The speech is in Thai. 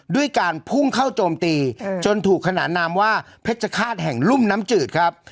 ด้วยการพุ่งเข้าโจมตีจนถูกขนานนามว่าเพชรฆาตแห่งรุ่มน้ำจืดครับ